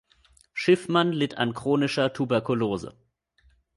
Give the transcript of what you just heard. Schiffmann litt an chronischer Tuberkulose.